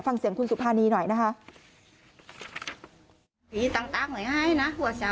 ฟังเสียงคุณสุภานีหน่อยนะคะ